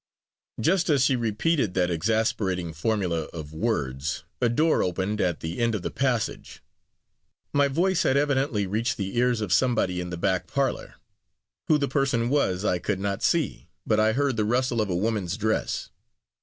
Just as she repeated that exasperating formula of words, a door opened at the end of the passage. My voice had evidently reached the ears of somebody in the back parlor. Who the person was I could not see, but I heard the rustle of a woman's dress.